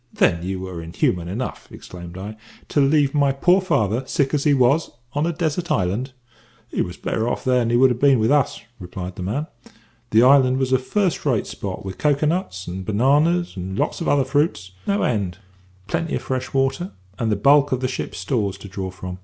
"Then you were inhuman enough," exclaimed I, "to leave my poor father, sick as he was, on a desert island?" "He was better off there than he would ha' been with us," replied the man. "The island was a first rate spot, with cocoa nuts and bananas, and lots of other fruits, no end; plenty of fresh water, and the bulk of the ship's stores to draw from.